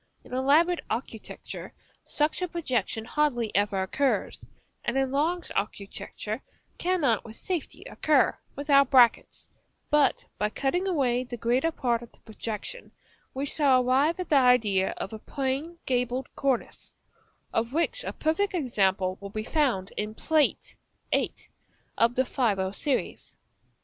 In elaborate architecture such a projection hardly ever occurs, and in large architecture cannot with safety occur, without brackets; but by cutting away the greater part of the projection, we shall arrive at the idea of a plain gabled cornice, of which a perfect example will be found in Plate VII. of the folio series.